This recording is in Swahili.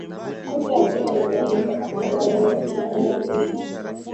nusu ya pili wamegawanyika kati ya Waorthodoksi asilimia kumi na moja